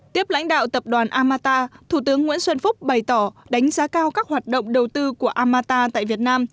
tiếp lãnh đạo tập đoàn amata thủ tướng nguyễn xuân phúc bày tỏ đánh giá cao các hoạt động đầu tư của amata tại việt nam